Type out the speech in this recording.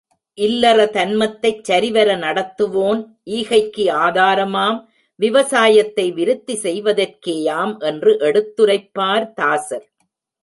இல்லற தன்மத்தைச் சரிவர நடத்துவோன் ஈகைக்கு ஆதாரமாம் விவசாயத்தை விருத்தி செய்வதற்கேயாம் என்று எடுத்துரைப்பார் தாசர்.